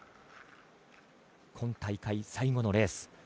今大会、最後のレース